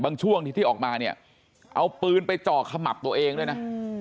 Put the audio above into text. ช่วงที่ออกมาเนี่ยเอาปืนไปเจาะขมับตัวเองด้วยนะ